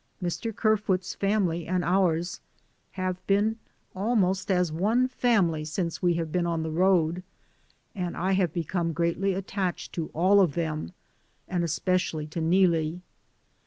Mr. Ker foot's family and ours have been almost as one family since we have been on the road, and I have become greatly attached to all of them and especially to Neelie.